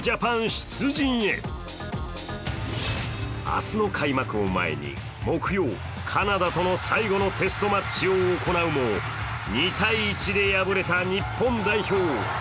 明日の開幕を前に木曜カナダとの最後のテストマッチを行うも２−１で敗れた日本代表。